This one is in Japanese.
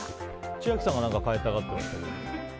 千秋さんは変えたがってましたけど。